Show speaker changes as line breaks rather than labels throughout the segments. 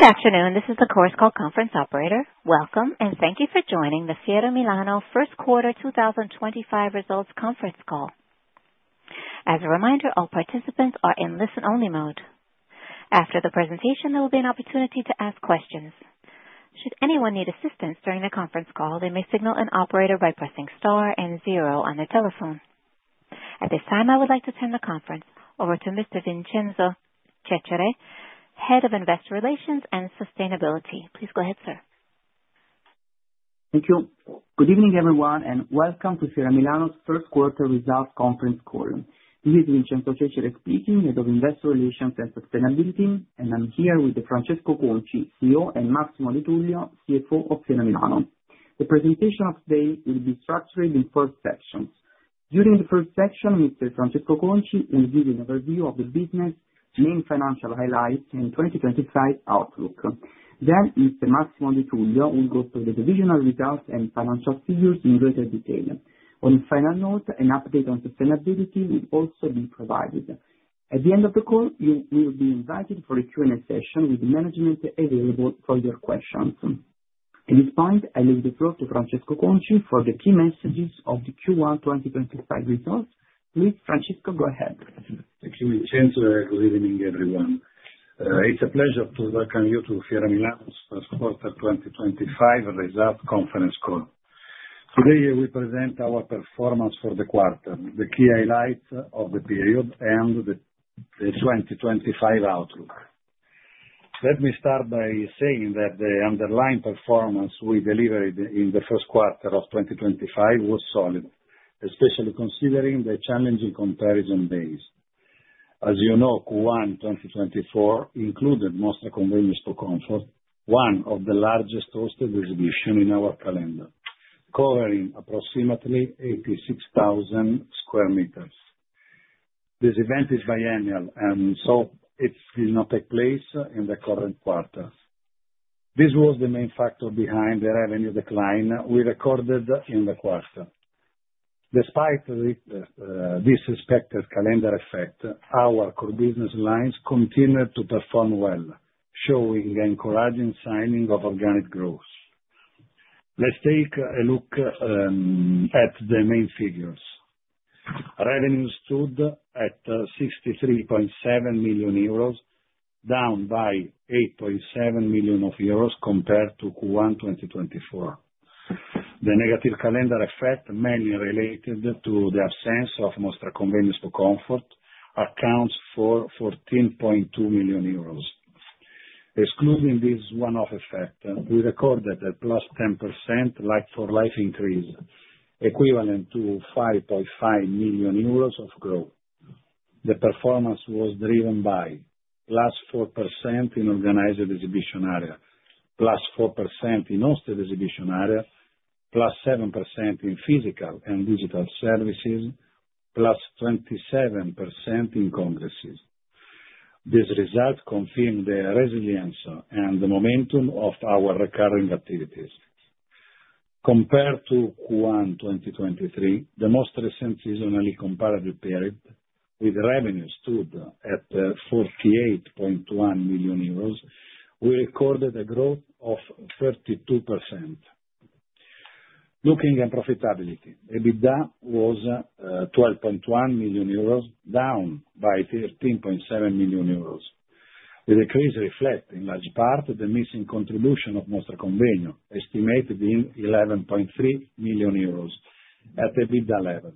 Good afternoon. This is the course call conference operator. Welcome, and thank you for joining the Fiera Milano first quarter 2025 results conference call. As a reminder, all participants are in listen-only mode. After the presentation, there will be an opportunity to ask questions. Should anyone need assistance during the conference call, they may signal an operator by pressing star and zero on their telephone. At this time, I would like to turn the conference over to Mr. Vincenzo Cecere, Head of Investor Relations and Sustainability. Please go ahead, sir.
Thank you. Good evening, everyone, and welcome to Fiera Milano's first quarter results conference call. This is Vincenzo Cecere speaking, Head of Investor Relations and Sustainability, and I'm here with Francesco Conci, CEO, and Massimo De Tullio, CFO of Fiera Milano. The presentation of today will be structured in four sections. During the first section, Mr. Francesco Conci will give you an overview of the business, main financial highlights, and 2025 outlook. Mr. Massimo De Tullio will go through the divisional results and financial figures in greater detail. On a final note, an update on sustainability will also be provided. At the end of the call, you will be invited for a Q&A session with management available for your questions. At this point, I leave the floor to Francesco Conci for the key messages of the Q1 2025 results. Please, Francesco, go ahead.
Thank you, Vincenzo. Good evening, everyone. It's a pleasure to welcome you to Fiera Milano's first quarter 2025 results conference call. Today, we present our performance for the quarter, the key highlights of the period, and the 2025 outlook. Let me start by saying that the underlying performance we delivered in the first quarter of 2025 was solid, especially considering the challenging comparison days. As you know, Q1 2024 included Mostra Convegno Expocomfort, one of the largest hosted exhibitions in our calendar, covering approximately 86,000 sq m. This event is biennial, and so it did not take place in the current quarter. This was the main factor behind the revenue decline we recorded in the quarter. Despite the expected calendar effect, our core business lines continued to perform well, showing encouraging signs of organic growth. Let's take a look at the main figures. Revenue stood at 63.7 million euros, down by 8.7 million euros compared to Q1 2024. The negative calendar effect, mainly related to the absence of Mostra Convegno Expocomfort, accounts for 14.2 million euros. Excluding this one-off effect, we recorded a +10% like-for-like increase, equivalent to 5.5 million euros of growth. The performance was driven by +4% in organized exhibition area, +4% in hosted exhibition area, +7% in physical and digital services, +27% in congresses. This result confirmed the resilience and the momentum of our recurring activities. Compared to Q1 2023, the most recent seasonally comparative period, with revenue stood at 48.1 million euros, we recorded a growth of 32%. Looking at profitability, EBITDA was 12.1 million euros, down by 13.7 million euros. The decrease reflects, in large part, the missing contribution of Mostra Convegno Expocomfort, estimated in 11.3 million euros at EBITDA level.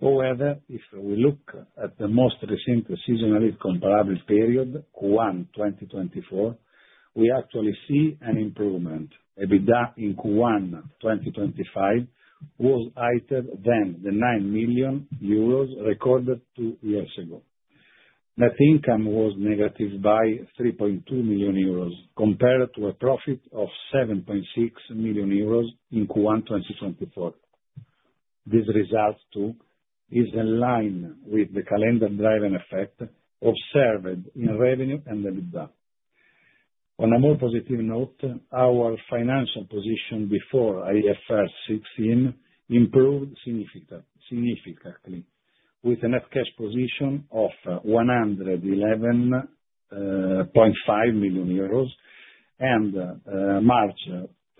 However, if we look at the most recent seasonally comparable period, Q1 2024, we actually see an improvement. EBITDA in Q1 2025 was higher than the 9 million euros recorded two years ago. Net income was negative by 3.2 million euros compared to a profit of 7.6 million euros in Q1 2024. This result, too, is in line with the calendar driving effect observed in revenue and EBITDA. On a more positive note, our financial position before IFRS 16 improved significantly, with a net cash position of 111.5 million euros at March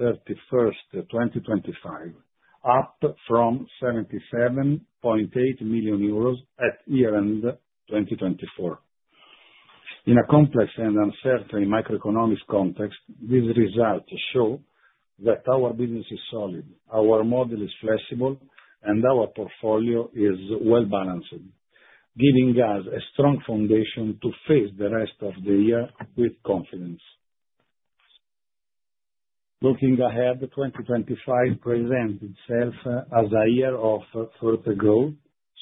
31st, 2025, up from 77.8 million euros at year-end 2024. In a complex and uncertain macroeconomic context, these results show that our business is solid, our model is flexible, and our portfolio is well-balanced, giving us a strong foundation to face the rest of the year with confidence. Looking ahead, 2025 presents itself as a year of further growth,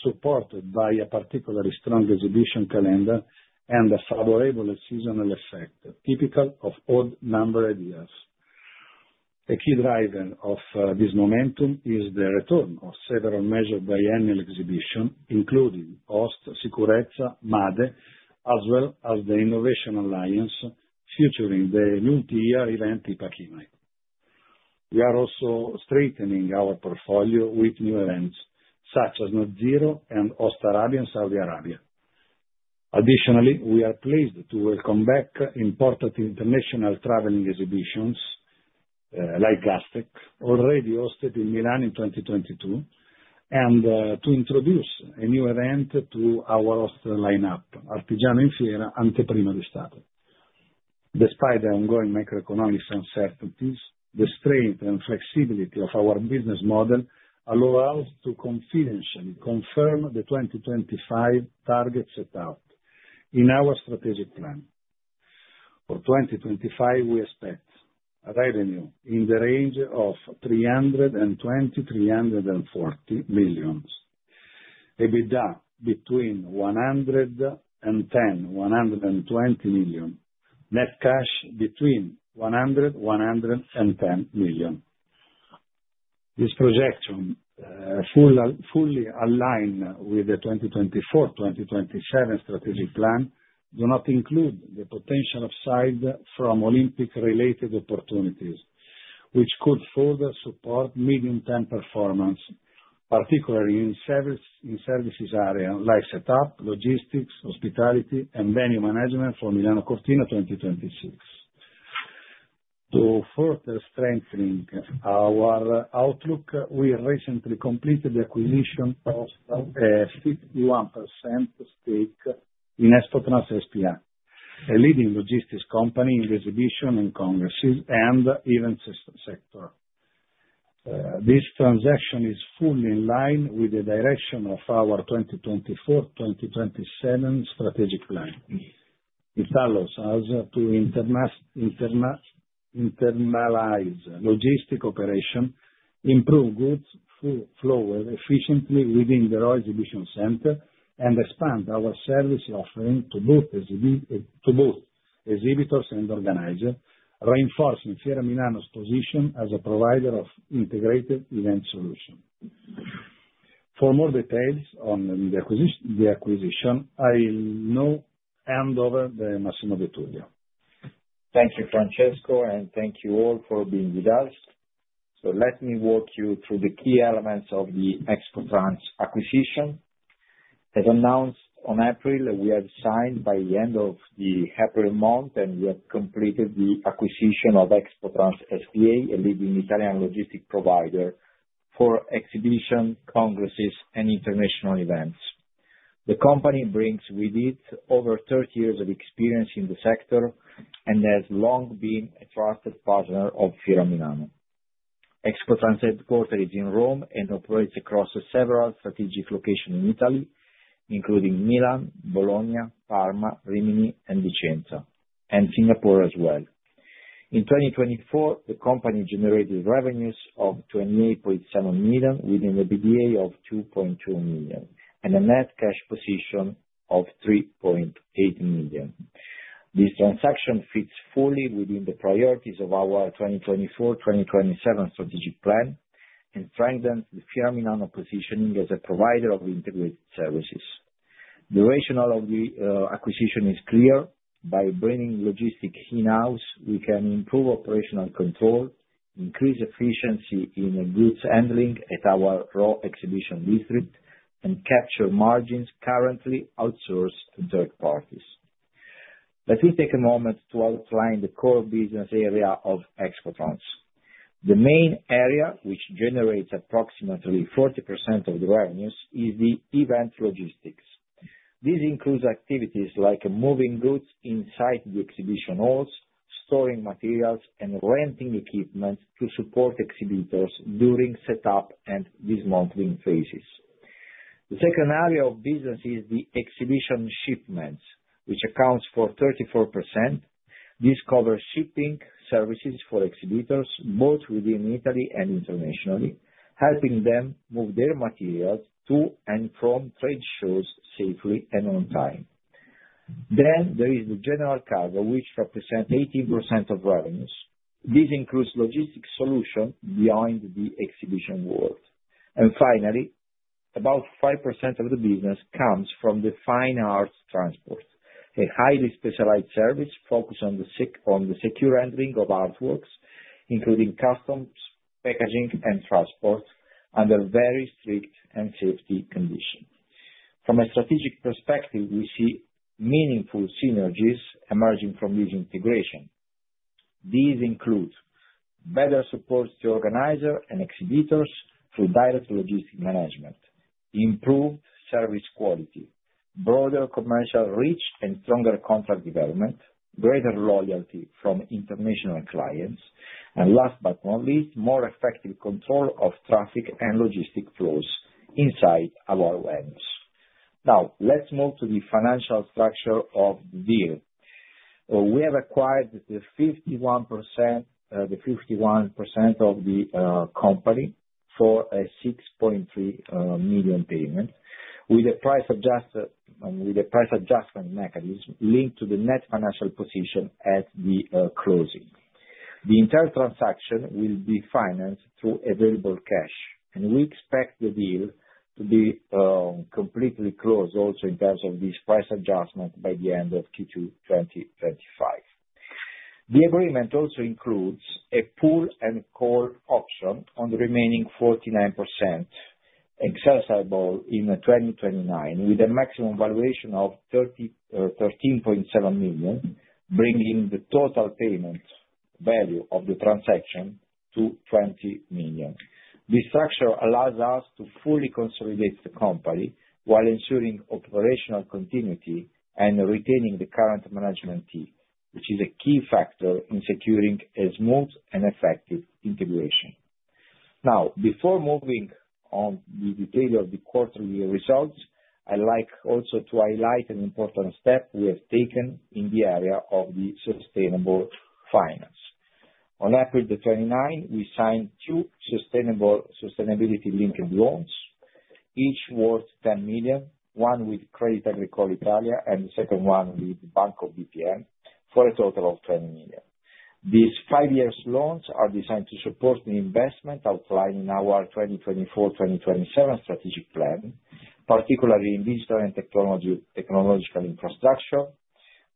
supported by a particularly strong exhibition calendar and a favorable seasonal effect, typical of odd-numbered years. A key driver of this momentum is the return of several major biennial exhibitions, including Host, SICUREZZA, MADE, as well as the Innovation Alliance, featuring the multi-year event IPACK-IMA. We are also strengthening our portfolio with new events such as NetZero and H and Saudi Arabia. Additionally, we are pleased to welcome back important international traveling exhibitions like Gastech, already hosted in Milan in 2022, and to introduce a new event to our OST lineup, Artigiano in Fiera Anteprima di Stato. Despite the ongoing macroeconomic uncertainties, the strength and flexibility of our business model allow us to confidently confirm the 2025 target set out in our strategic plan. For 2025, we expect revenue in the range of 320 million-340 million, EBITDA between 110 million-120 million, net cash between 100 million-110 million. This projection, fully aligned with the 2024-2027 strategic plan, does not include the potential upside from Olympic-related opportunities, which could further support medium-term performance, particularly in services areas like setup, logistics, hospitality, and venue management for Milano Cortina 2026. To further strengthen our outlook, we recently completed the acquisition of a 51% stake in Expotrans SpA, a leading logistics company in exhibition and congresses and events sector. This transaction is fully in line with the direction of our 2024-2027 strategic plan. It allows us to internalize logistic operations, improve goods flow efficiently within the ROI exhibition center, and expand our service offering to both exhibitors and organizers, reinforcing Fiera Milano's position as a provider of integrated event solutions. For more details on the acquisition, I now hand over to Massimo De Tullio.
Thank you, Francesco, and thank you all for being with us. Let me walk you through the key elements of the Expotrans acquisition. As announced in April, we have signed by the end of the April month, and we have completed the acquisition of Expotrans SpA, a leading Italian logistics provider for exhibition, congresses, and international events. The company brings with it over 30 years of experience in the sector and has long been a trusted partner of Fiera Milano. Expotrans headquarters is in Rome and operates across several strategic locations in Italy, including Milan, Bologna, Parma, Rimini, and Vicenza, and Singapore as well. In 2024, the company generated revenues of 28.7 million with an EBITDA of 2.2 million and a net cash position of 3.8 million. This transaction fits fully within the priorities of our 2024-2027 strategic plan and strengthens the Fiera Milano positioning as a provider of integrated services. The rationale of the acquisition is clear. By bringing logistics in-house, we can improve operational control, increase efficiency in goods handling at our Rho exhibition district, and capture margins currently outsourced to third parties. Let me take a moment to outline the core business area of Expotrans. The main area, which generates approximately 40% of the revenues, is the event logistics. This includes activities like moving goods inside the exhibition halls, storing materials, and renting equipment to support exhibitors during setup and dismantling phases. The second area of business is the exhibition shipments, which accounts for 34%. This covers shipping services for exhibitors, both within Italy and internationally, helping them move their materials to and from trade shows safely and on time. There is the general cargo, which represents 18% of revenues. This includes logistics solutions beyond the exhibition world. Finally, about 5% of the business comes from the fine arts transport, a highly specialized service focused on the secure handling of artworks, including customs, packaging, and transport, under very strict and safety conditions. From a strategic perspective, we see meaningful synergies emerging from this integration. These include better support to organizers and exhibitors through direct logistics management, improved service quality, broader commercial reach and stronger contract development, greater loyalty from international clients, and last but not least, more effective control of traffic and logistics flows inside our venues. Now, let's move to the financial structure of the deal. We have acquired 51% of the company for 6.3 million payment, with a price adjustment mechanism linked to the net financial position at the closing. The entire transaction will be financed through available cash, and we expect the deal to be completely closed also in terms of this price adjustment by the end of Q2 2025. The agreement also includes a pull-and-call option on the remaining 49%, exercisable in 2029, with a maximum valuation of 13.7 million, bringing the total payment value of the transaction to 20 million. This structure allows us to fully consolidate the company while ensuring operational continuity and retaining the current management team, which is a key factor in securing a smooth and effective integration. Now, before moving on to the detail of the quarterly results, I'd like also to highlight an important step we have taken in the area of the sustainable finance. On April 29, we signed two sustainability-linked loans, each worth 10 million, one with Crédit Agricole Italia and the second one with Banco BPM, for a total of 20 million. These five-year loans are designed to support the investment outlined in our 2024-2027 strategic plan, particularly in digital and technological infrastructure,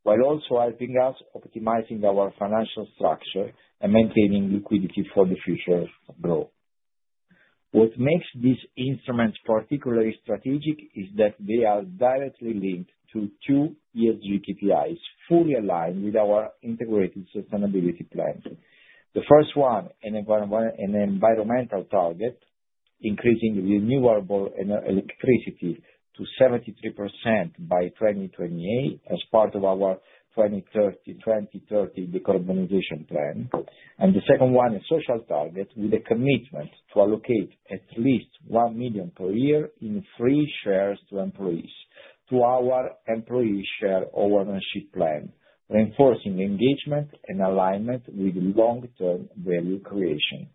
while also helping us optimize our financial structure and maintaining liquidity for the future growth. What makes these instruments particularly strategic is that they are directly linked to two ESG KPIs fully aligned with our integrated sustainability plan. The first one, an environmental target, increasing renewable electricity to 73% by 2028 as part of our 2030 decarbonization plan. The second one, a social target, with a commitment to allocate at least 1 million per year in free shares to employees, to our employee share ownership plan, reinforcing engagement and alignment with long-term value creation.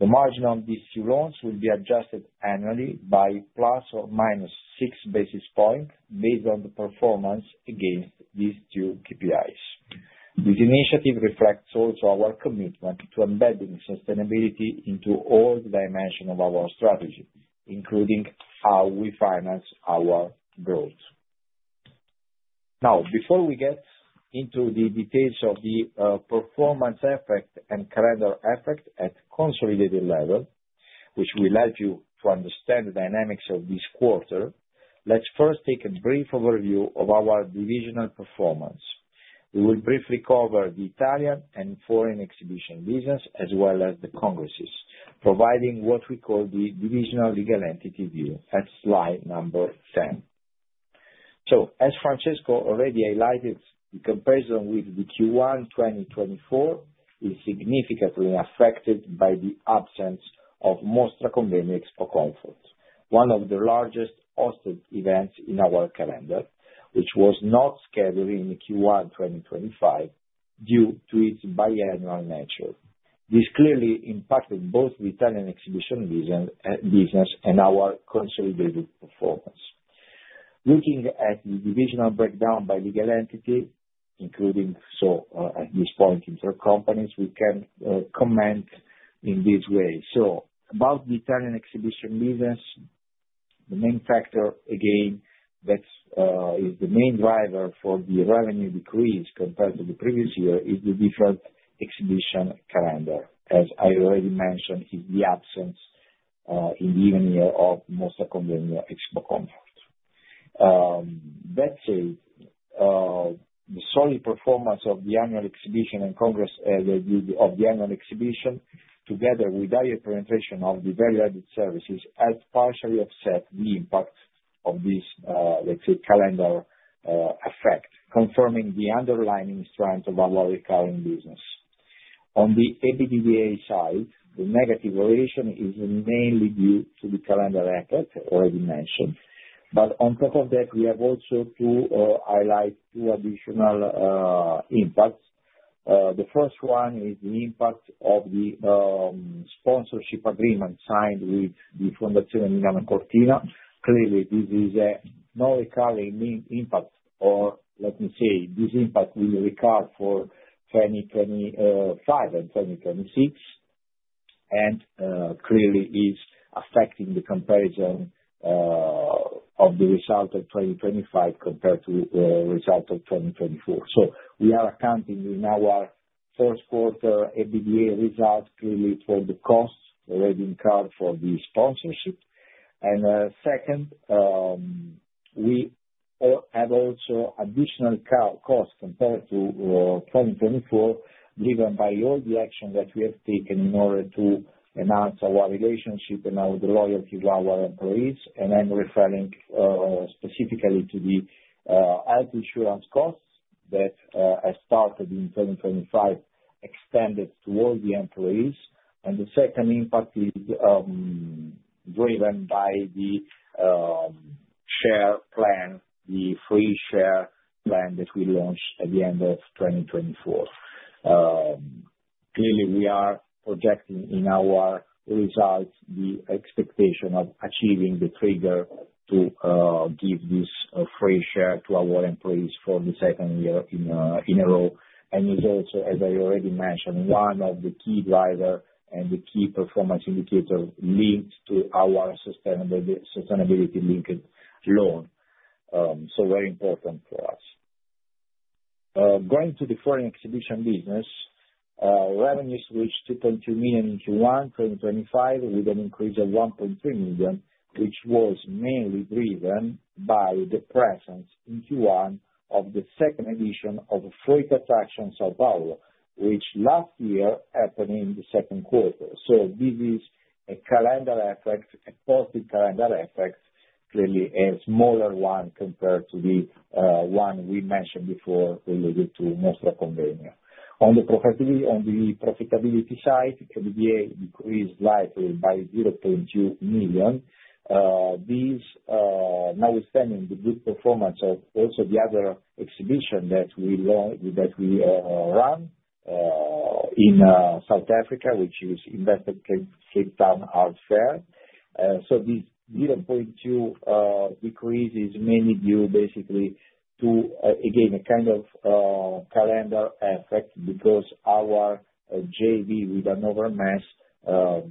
The margin on these two loans will be adjusted annually by plus or minus six basis points based on the performance against these two KPIs. This initiative reflects also our commitment to embedding sustainability into all dimensions of our strategy, including how we finance our growth. Now, before we get into the details of the performance effect and calendar effect at consolidated level, which will help you to understand the dynamics of this quarter, let's first take a brief overview of our divisional performance. We will briefly cover the Italian and foreign exhibition business as well as the congresses, providing what we call the divisional legal entity view at slide number 10. As Francesco already highlighted, the comparison with Q1 2024 is significantly affected by the absence of Mostra Convegno Expocomfort, one of the largest hosted events in our calendar, which was not scheduled in Q1 2025 due to its biennial nature. This clearly impacted both the Italian exhibition business and our consolidated performance. Looking at the divisional breakdown by legal entity, including at this point inter-company, we can comment in this way. About the Italian exhibition business, the main factor, again, that is the main driver for the revenue decrease compared to the previous year is the different exhibition calendar. As I already mentioned, it is the absence in the beginning of Mostra Convegno Expocomfort. That said, the solid performance of the annual exhibition and congresses of the annual exhibition, together with higher penetration of the value-added services, has partially offset the impact of this, let's say, calendar effect, confirming the underlying strength of our recurring business. On the EBITDA side, the negative variation is mainly due to the calendar effect already mentioned. On top of that, we have also to highlight two additional impacts. The first one is the impact of the sponsorship agreement signed with the Fondazione Milano Cortina. Clearly, this is a non-recurring impact, or let me say, this impact will recur for 2025 and 2026, and clearly is affecting the comparison of the result of 2025 compared to the result of 2024. We are accounting in our first quarter EBITDA result clearly for the costs already incurred for the sponsorship. We have also additional costs compared to 2024, driven by all the actions that we have taken in order to enhance our relationship and our loyalty to our employees. I'm referring specifically to the health insurance costs that, as part of 2025, extended towards the employees. The second impact is driven by the share plan, the free share plan that we launched at the end of 2024. Clearly, we are projecting in our results the expectation of achieving the trigger to give this free share to our employees for the second year in a row. It is also, as I already mentioned, one of the key drivers and the key performance indicators linked to our sustainability-linked loan. Very important for us. Going to the foreign exhibition business, revenues reached 2.2 million in Q1 2025 with an increase of 1.3 million, which was mainly driven by the presence in Q1 of the second edition of Freight Attraction São Paulo, which last year happened in the second quarter. This is a calendar effect, a positive calendar effect, clearly a smaller one compared to the one we mentioned before related to Mostra Convegno. On the profitability side, EBITDA decreased slightly by EUR 0.2 million. This now is stemming from the good performance of also the other exhibition that we run in South Africa, which is Investec Cape Town Art Fair. This 0.2 million decrease is mainly due, basically, to, again, a kind of calendar effect because our JV with Hannover Messe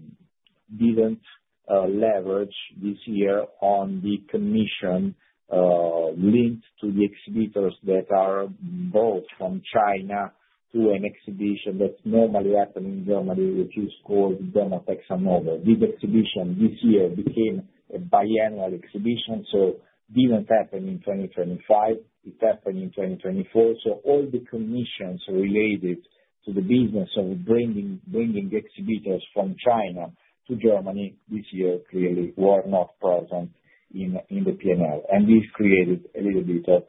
did not leverage this year on the commission linked to the exhibitors that are brought from China to an exhibition that normally happened in Germany, which is called Domotex Hannover. This exhibition this year became a biennial exhibition, so it did not happen in 2025. It happened in 2024. All the commissions related to the business of bringing exhibitors from China to Germany this year clearly were not present in the P&L. This created a little bit of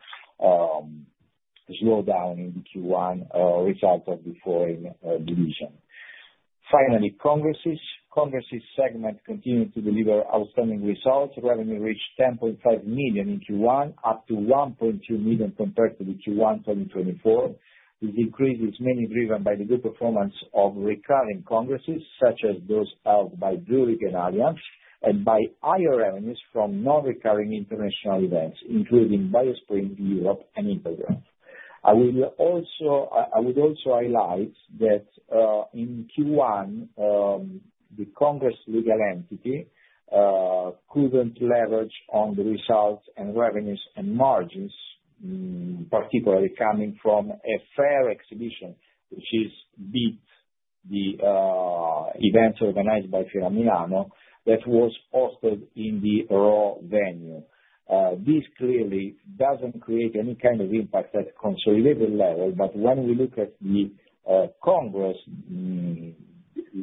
slowdown in the Q1 result of the foreign division. Finally, congresses. Congresses segment continued to deliver outstanding results. Revenue reached 10.5 million in Q1, up to 1.2 million compared to Q1 2024. This increase is mainly driven by the good performance of recurring congresses, such as those held by Zurich and Allianz, and by higher revenues from non-recurring international events, including Biospring Europe and Intergrowth. I would also highlight that, in Q1, the congress legal entity could not leverage on the results and revenues and margins, particularly coming from a fair exhibition, which is beat the events organized by Fiera Milano that was hosted in the Raw venue. This clearly does not create any kind of impact at consolidated level, but when we look at the congress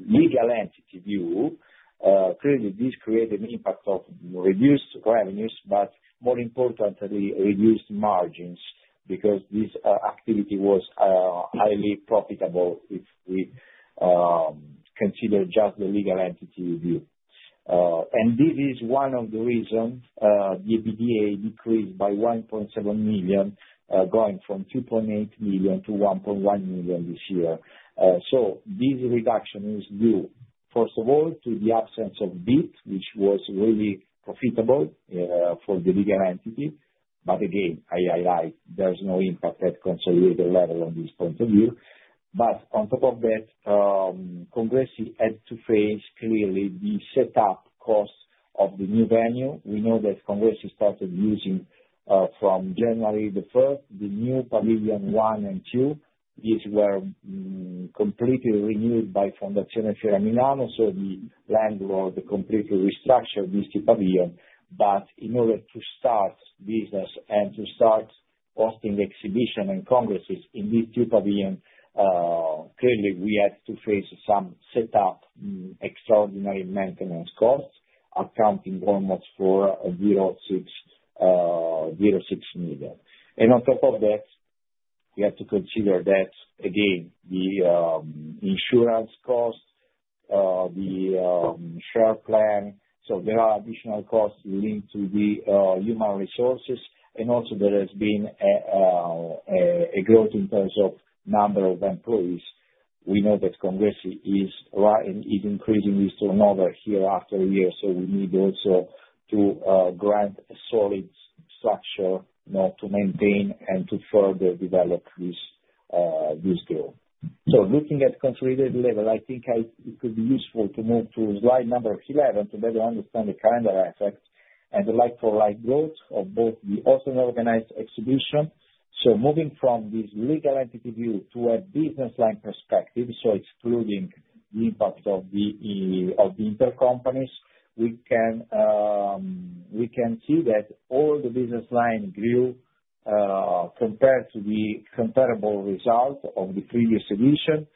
legal entity view, clearly this created an impact of reduced revenues, but more importantly, reduced margins because this activity was highly profitable if we consider just the legal entity view. This is one of the reasons the EBITDA decreased by 1.7 million, going from 2.8 million to 1.1 million this year. This reduction is due, first of all, to the absence of Beat, which was really profitable for the legal entity. Again, I highlight there's no impact at consolidated level on this point of view. On top of that, congresses had to face clearly the setup costs of the new venue. We know that congresses started using, from January 1, the new Pavilion One and Two. These were completely renewed by Fondazione Fiera Milano, so the landlord completely restructured these two pavilions. In order to start business and to start hosting exhibition and congresses in these two pavilions, clearly we had to face some setup extraordinary maintenance costs, accounting almost for 0.6 million. On top of that, we have to consider that, again, the insurance cost, the share plan. There are additional costs linked to the human resources, and also there has been a growth in terms of number of employees. We know that congresses is increasing this to another year after year, so we need also to grant a solid structure to maintain and to further develop this growth. Looking at consolidated level, I think it could be useful to move to slide number 11 to better understand the calendar effect and the like-for-like growth of both the auto-organized exhibition. Moving from this legal entity view to a business line perspective, so excluding the impact of the inter-company, we can see that all the business line grew, compared to the comparable result of the previous edition.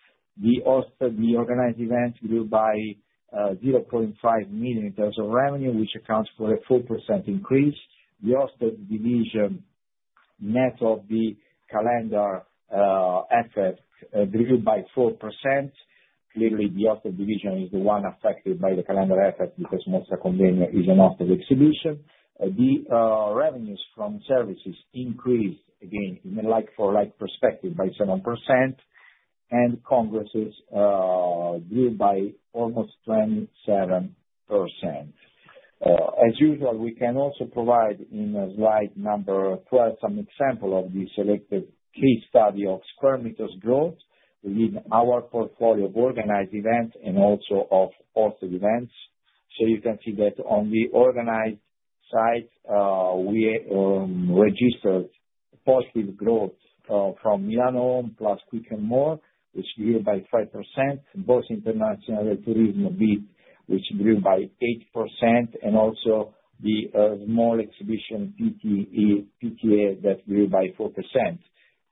The organized event grew by 0.5 million in terms of revenue, which accounts for a 4% increase. The hosted division, net of the calendar effect, grew by 4%. Clearly, the hosted division is the one affected by the calendar effect because Mostra Convegno is a hosted exhibition. The revenues from services increased, again, in a like-for-like perspective by 7%, and congresses grew by almost 27%. As usual, we can also provide in slide number 12 some examples of the selected case study of square meters growth within our portfolio of organized events and also of hosted events. You can see that on the organized side, we registered positive growth from Milano Unica, which grew by 5%, both International and Tourism Bit, which grew by 8%, and also the small exhibition PTA that grew by 4%.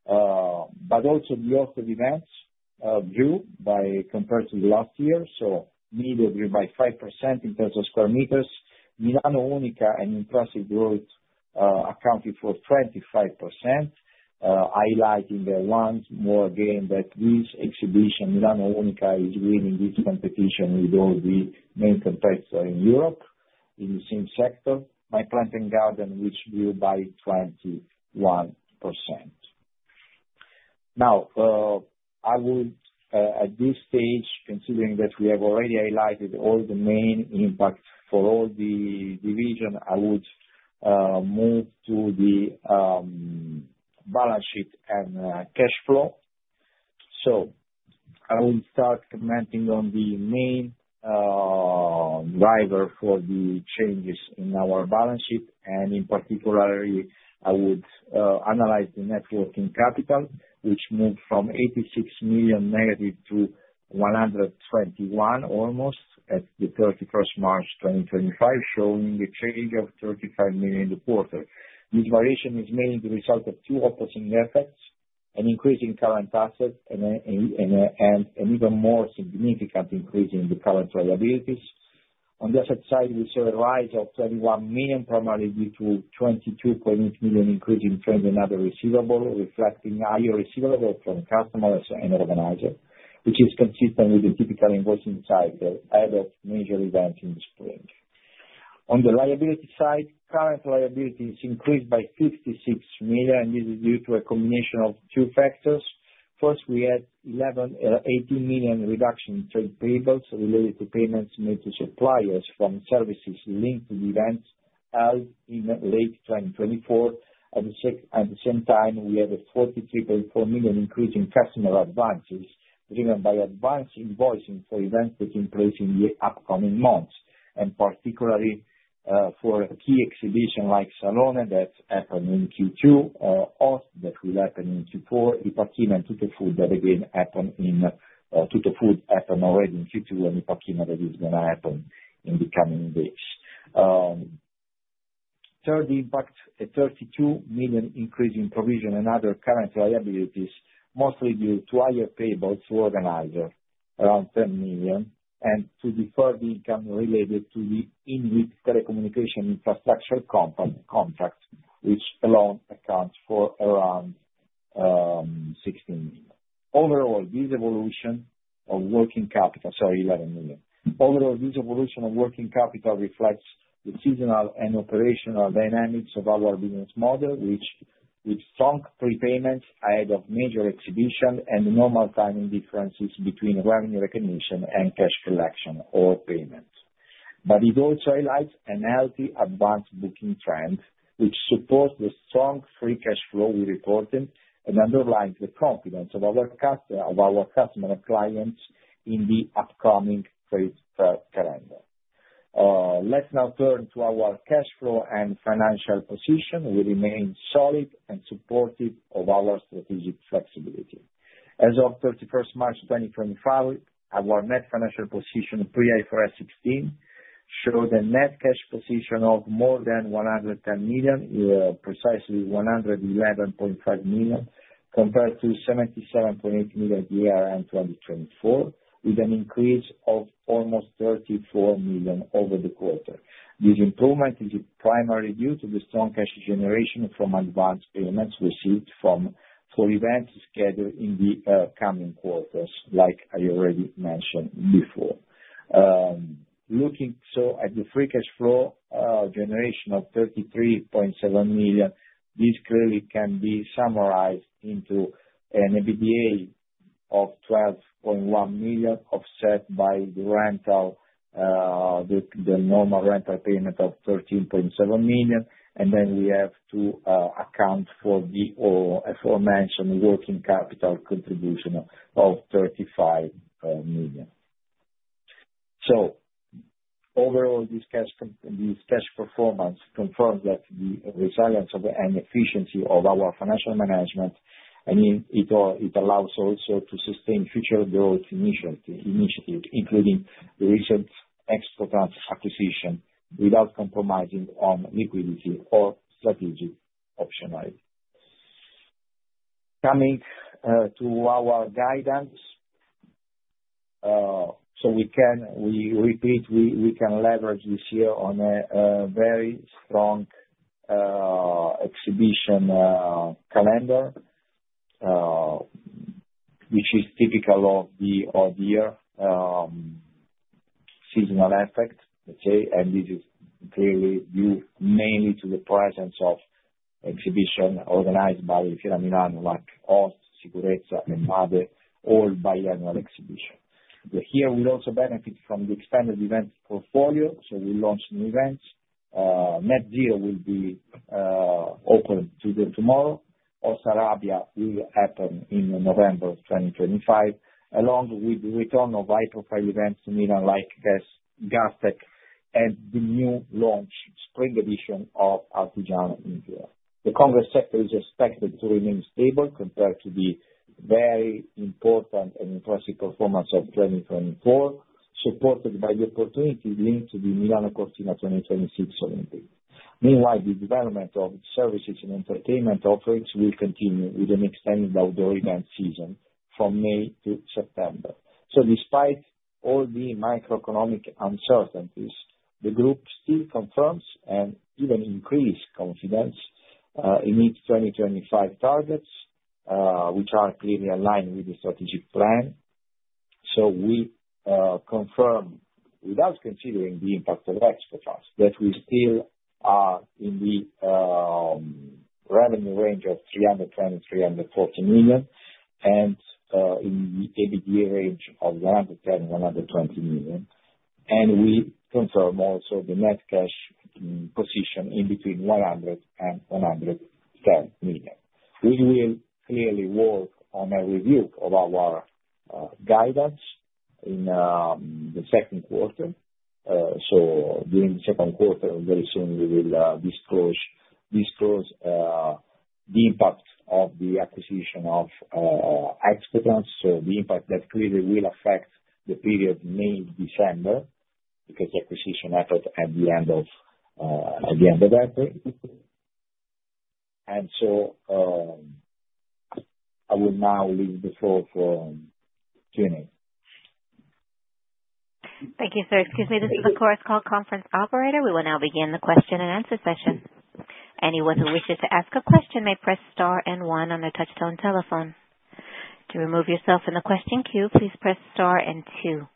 Also, the hosted events grew compared to last year, so MIDO grew by 5% in terms of square meters. Milano Unica and Intrasic growth, accounted for 25%, highlighting once more again that this exhibition, Milano Unica, is winning this competition with all the main competitors in Europe in the same sector. My Plant and Garden, which grew by 21%. At this stage, considering that we have already highlighted all the main impacts for all the division, I would move to the balance sheet and cash flow. I will start commenting on the main driver for the changes in our balance sheet, and in particular, I would analyze the networking capital, which moved from 86 million negative to 121 million almost at the 31st March 2025, showing a change of 35 million in the quarter. This variation is mainly the result of two opposing effects: an increase in current assets and an even more significant increase in the current liabilities. On the asset side, we saw a rise of 21 million, primarily due to a 22.8 million increase in trade and other receivable, reflecting higher receivable from customers and organizers, which is consistent with the typical invoicing cycle ahead of major events in the spring. On the liability side, current liabilities increased by 56 million, and this is due to a combination of two factors. First, we had a 18 million reduction in trade payables related to payments made to suppliers from services linked to the event held in late 2024. At the same time, we had a 43.4 million increase in customer advances, driven by advanced invoicing for events taking place in the upcoming months, and particularly, for a key exhibition like Salone that happened in Q2, that will happen in Q4, IPACK-IMA and TUTTOFOOD that, again, happened in, TUTTOFOOD happened already in Q2, and IPACK-IMA that is going to happen in the coming days. Third impact, a 32 million increase in provision and other current liabilities, mostly due to higher payables to organizers, around 10 million, and to defer the income related to the InWeek telecommunication infrastructure contract, which alone accounts for around 16 million. Overall, this evolution of working capital, sorry, 11 million. Overall, this evolution of working capital reflects the seasonal and operational dynamics of our business model, which, with strong prepayments ahead of major exhibitions and normal timing differences between revenue recognition and cash collection or payments, also highlights a healthy advanced booking trend, which supports the strong free cash flow we reported and underlines the confidence of our customer clients in the upcoming trade calendar. Let's now turn to our cash flow and financial position. We remain solid and supportive of our strategic flexibility. As of 31st March 2025, our net financial position, pre-IFRS 16, showed a net cash position of more than 110 million, precisely 111.5 million, compared to 77.8 million at year-end 2024, with an increase of almost 34 million over the quarter. This improvement is primarily due to the strong cash generation from advanced payments received for events scheduled in the coming quarters, like I already mentioned before. Looking at the free cash flow generation of 33.7 million, this clearly can be summarized into an EBITDA of 12.1 million, offset by the normal rental payment of 13.7 million, and then we have to account for the aforementioned working capital contribution of EUR 35 million. Overall, this cash performance confirms the resilience and efficiency of our financial management, and it also allows us to sustain future growth initiatives, including the recent Expotrans acquisition without compromising on liquidity or strategic optionality. Coming to our guidance, we repeat, we can leverage this year on a very strong exhibition calendar, which is typical of the year, seasonal effect, let's say, and this is clearly due mainly to the presence of exhibitions organized by Fiera Milano, like Host, SICUREZZA, and MADE, all biennial exhibitions. Here, we also benefit from the expanded event portfolio, so we launched new events. NetZero will be opened today or tomorrow. Host Arabia will happen in November of 2025, along with the return of high-profile events to Milan like Gastech and the new launch spring edition of Artigiano in Fiera Anteprima di Stato. The congress sector is expected to remain stable compared to the very important and impressive performance of 2024, supported by the opportunity linked to the Milano Cortina 2026 Olympics. Meanwhile, the development of services and entertainment offerings will continue with an extended outdoor event season from May to September. Despite all the macroeconomic uncertainties, the group still confirms and even increases confidence in its 2025 targets, which are clearly aligned with the strategic plan. We confirm, without considering the impact of Expotrans, that we still are in the revenue range of 320 million-340 million and in the EBITDA range of 110 million-120 million, and we confirm also the net cash position in between 100 million and 110 million. We will clearly work on a review of our guidance in the second quarter. During the second quarter, very soon we will disclose the impact of the acquisition of Expotrans, so the impact that clearly will affect the period May-December because the acquisition happened at the end of April. I will now leave the floor for Q&A.
Thank you, sir. Excuse me. This is the Chorus Call conference operator. We will now begin the question and answer session. Anyone who wishes to ask a question may press star and one on their touchstone telephone. To remove yourself from the question queue, please press star and two.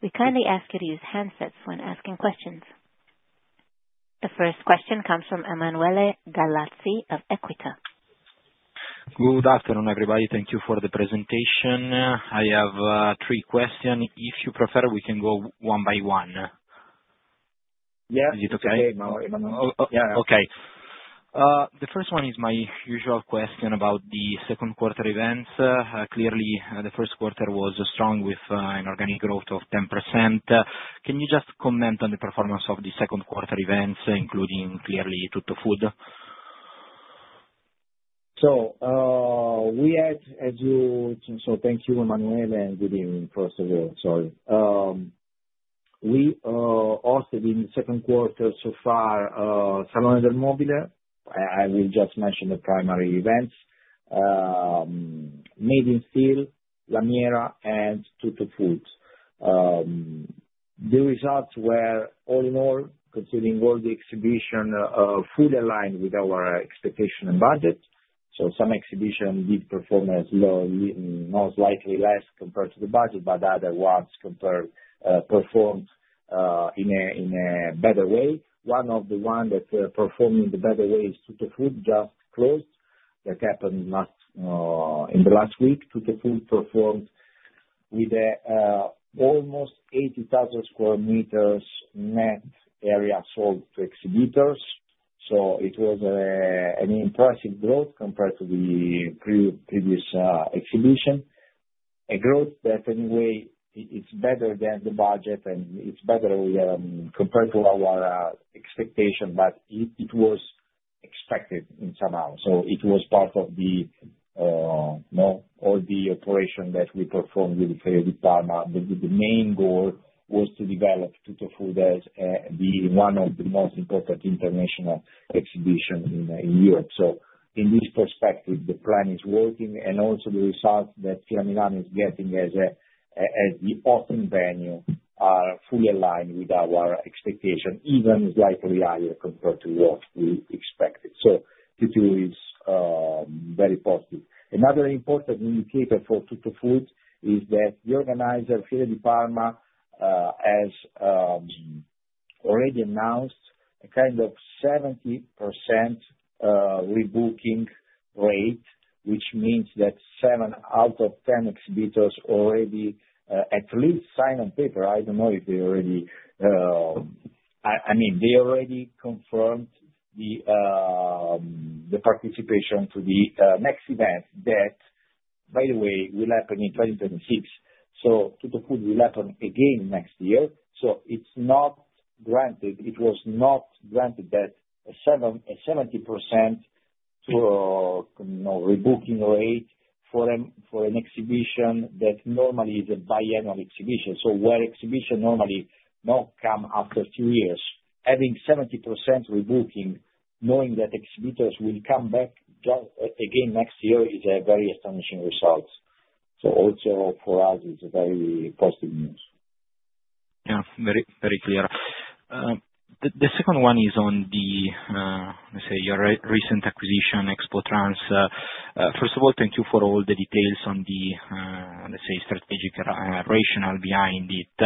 We kindly ask you to use handsets when asking questions. The first question comes from Emanuele Gallazzi of EQUITA.
Good afternoon, everybody. Thank you for the presentation. I have three questions. If you prefer, we can go one by one.
Yes.
Is it okay? Okay. The first one is my usual question about the second quarter events. Clearly, the first quarter was strong with an organic growth of 10%. Can you just comment on the performance of the second quarter events, including clearly TUTTOFOOD?
Thank you, Emanuele, and good evening from Seville, sorry. We hosted in the second quarter so far, Salone del Mobile. I will just mention the primary events: Made in Steel, Lamiera, and TUTTOFOOD. The results were, all in all, considering all the exhibition, fully aligned with our expectation and budget. Some exhibitions did perform as low, you know, slightly less compared to the budget, but other ones performed, in a, in a better way. One of the ones that performed in the better way is TUTTOFOOD, just closed. That happened in the last week. TUTTOFOOD performed with almost 80,000 sq m net area sold to exhibitors. It was an impressive growth compared to the previous exhibition. A growth that, in a way, it's better than the budget, and it's better, compared to our expectation, but it was expected in some amount. It was part of the, you know, all the operation that we performed with Fiere di Parma, but the main goal was to develop TUTTOFOOD as being one of the most important international exhibitions in Europe. In this perspective, the plan is working, and also the results that Fiera Milano is getting as the hosting venue are fully aligned with our expectation, even slightly higher compared to what we expected. The two is very positive. Another important indicator for TUTTOFOOD is that the organizer, Fiera di Parma, has already announced a kind of 70% rebooking rate, which means that 7 out of 10 exhibitors already, at least signed on paper. I don't know if they already, I mean, they already confirmed the participation to the next event that, by the way, will happen in 2026. TUTTOFOOD will happen again next year. It was not granted that a 70% rebooking rate for an exhibition that normally is a biennial exhibition. Where exhibition normally, you know, come after two years, having 70% rebooking, knowing that exhibitors will come back again next year is a very astonishing result. Also for us, it is very positive news.
Yeah, very, very clear. The second one is on the, let's say, your recent acquisition, Expotrans. First of all, thank you for all the details on the, let's say, strategic rationale behind it.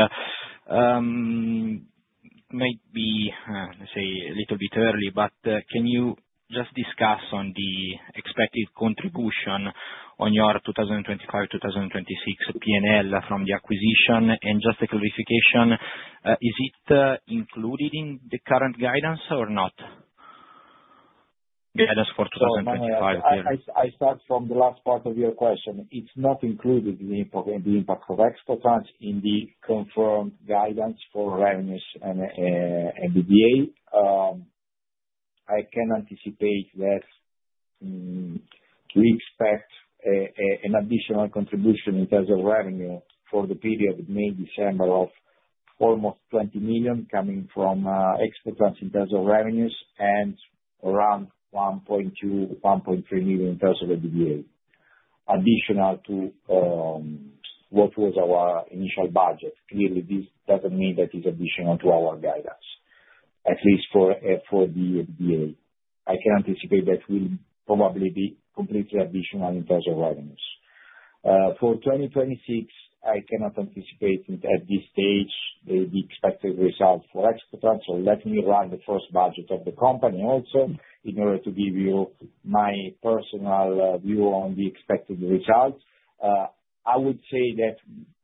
It might be, let's say, a little bit early, but can you just discuss on the expected contribution on your 2025-2026 P&L from the acquisition? And just a clarification, is it included in the current guidance or not? Guidance for 2025.
I start from the last part of your question. It's not included in the impact of Expotrans in the confirmed guidance for revenues and EBITDA. I can anticipate that we expect an additional contribution in terms of revenue for the period May-December of almost 20 million coming from Expotrans in terms of revenues and around 1.2-1.3 million in terms of EBITDA, additional to what was our initial budget. Clearly, this doesn't mean that it's additional to our guidance, at least for the EBITDA. I can anticipate that will probably be completely additional in terms of revenues. For 2026, I cannot anticipate at this stage the expected result for Expotrans, so let me run the first budget of the company also in order to give you my personal view on the expected result. I would say that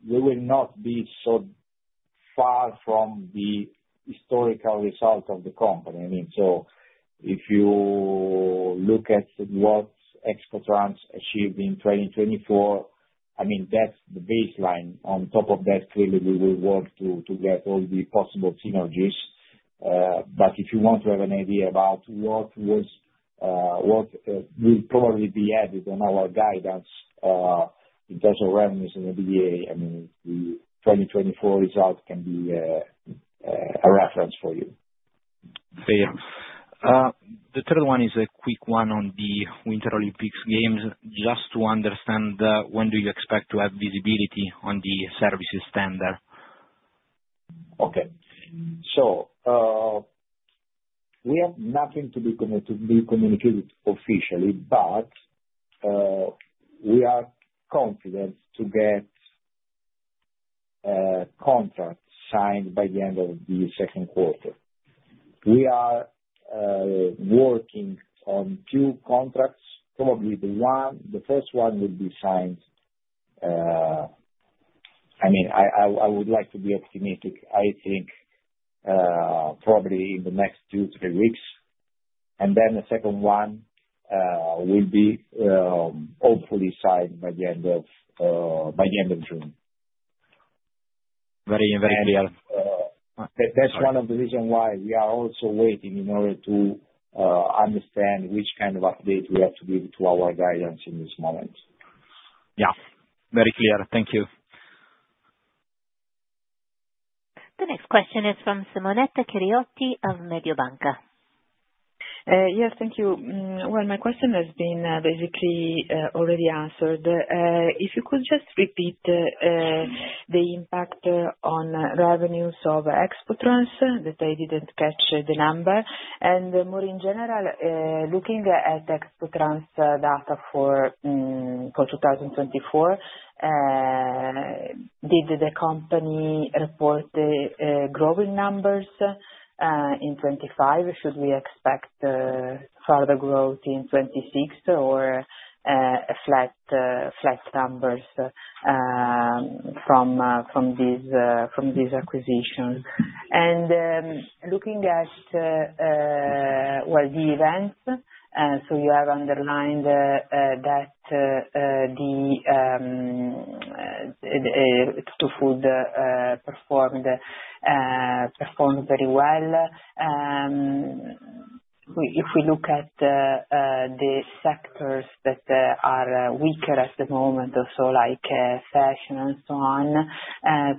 we will not be so far from the historical result of the company. I mean, so if you look at what Expotrans achieved in 2024, I mean, that's the baseline. On top of that, clearly, we will work to get all the possible synergies. If you want to have an idea about what will probably be added on our guidance, in terms of revenues and EBITDA, I mean, the 2024 result can be a reference for you.
Okay. The third one is a quick one on the Winter Olympics Games. Just to understand, when do you expect to have visibility on the services tender?
Okay. We have nothing to be communicated officially, but we are confident to get contracts signed by the end of the second quarter. We are working on two contracts. Probably the first one will be signed, I mean, I would like to be optimistic. I think probably in the next two, three weeks. The second one will be hopefully signed by the end of June. Very clear. That is one of the reasons why we are also waiting in order to understand which kind of update we have to give to our guidance in this moment.
Yeah. Very clear. Thank you.
The next question is from Simonetta Chiriotti of Mediobanca.
Yes, thank you. My question has been basically already answered. If you could just repeat the impact on revenues of Expotrans, I did not catch the number. More in general, looking at Expotrans data for 2024, did the company report growing numbers in 2025? Should we expect further growth in 2026 or flat numbers from these acquisitions? Looking at the events, you have underlined that Tutto Food performed very well. If we look at the sectors that are weaker at the moment, like fashion and so on,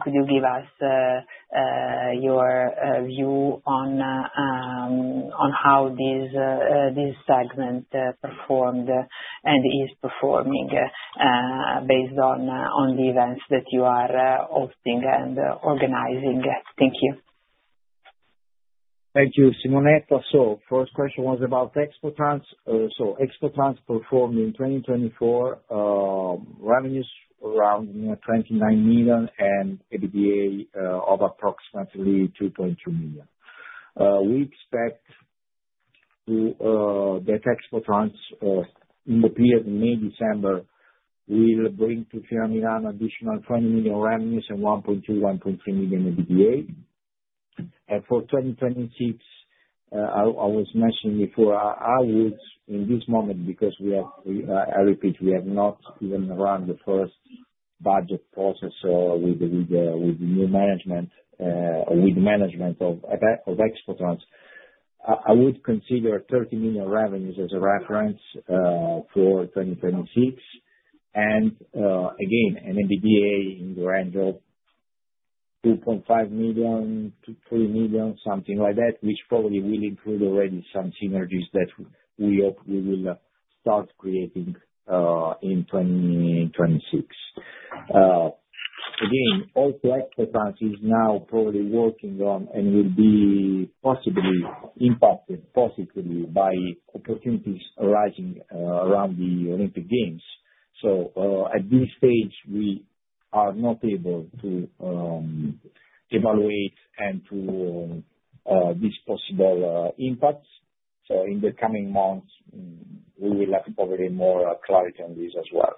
could you give us your view on how these segments performed and is performing based on the events that you are hosting and organizing? Thank you.
Thank you, Simonetta. The first question was about Expotrans. Expotrans performed in 2024, revenues around 29 million and EBITDA of approximately 2.2 million. We expect that Expotrans, in the period May-December, will bring to Fiera Milano additional 20 million revenues and 1.2-1.3 million EBITDA. For 2026, I was mentioning before, I would, in this moment, because we have, I repeat, we have not even run the first budget process with the new management, with the management of Expotrans, I would consider 30 million revenues as a reference for 2026. Again, an EBITDA in the range of 2.5 million-3 million, something like that, which probably will include already some synergies that we hope we will start creating in 2026. Also, Expotrans is now probably working on and will be possibly impacted positively by opportunities arising around the Olympic Games. At this stage, we are not able to evaluate these possible impacts. In the coming months, we will have probably more clarity on this as well.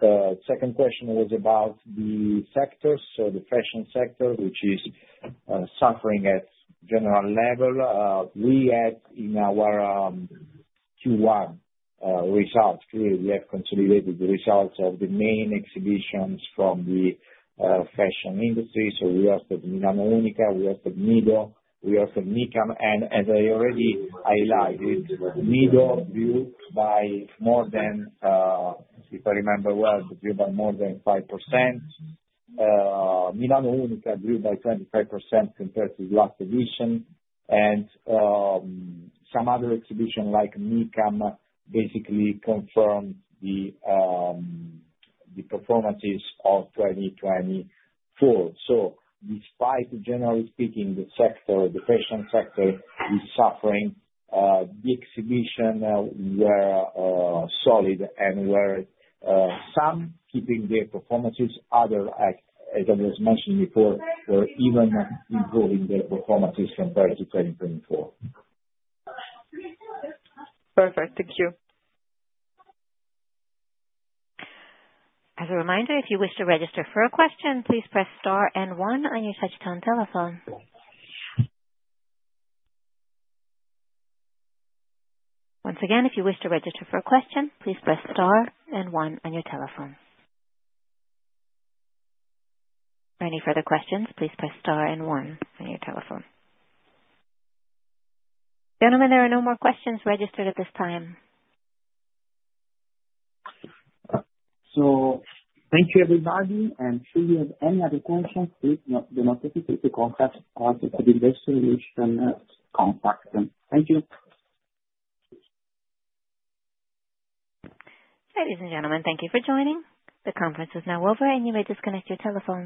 The second question was about the sectors, so the fashion sector, which is suffering at general level. We had in our Q1 results, clearly, we have consolidated the results of the main exhibitions from the fashion industry. We hosted Milano Unica, we hosted MIDO, we hosted MICAM, and, as I already highlighted, MIDO grew by more than, if I remember well, grew by more than 5%. Milano Unica grew by 25% compared to the last edition. Some other exhibition like MICAM basically confirmed the performances of 2024. Despite, generally speaking, the sector, the fashion sector is suffering, the exhibition were solid and were, some keeping their performances, other, as I was mentioning before, were even improving their performances compared to 2024.
Perfect. Thank you.
As a reminder, if you wish to register for a question, please press star and one on your touch-tone telephone. Once again, if you wish to register for a question, please press star and one on your telephone. For any further questions, please press star and one on your telephone. Gentlemen, there are no more questions registered at this time.
Thank you, everybody. Should you have any other questions, please do not hesitate to contact us at the investor relations conference. Thank you.
Ladies and gentlemen, thank you for joining. The conference is now over, and you may disconnect your telephone.